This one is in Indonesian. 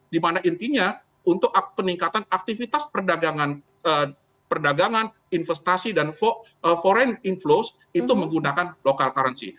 dimana intinya untuk peningkatan aktivitas perdagangan investasi dan foreign inflows itu menggunakan local currency